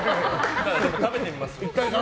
食べてみます。